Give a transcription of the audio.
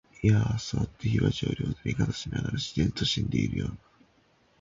謂わば、坐って火鉢に両手をかざしながら、自然に死んでいるような、